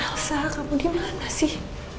elsa kamu dimana sih